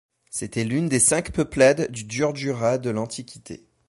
C’était l’une des cinq peuplades du Djurdjura de l’antiquité.